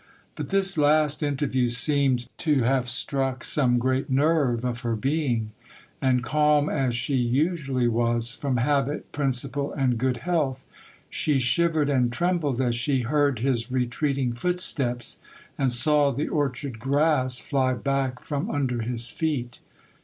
But this last interview seemed to have struck some great nerve of her being,—and calm as she usually was, from habit, principle, and good health, she shivered and trembled as she heard his retreating footsteps, and saw the orchard grass fly back from under his feet.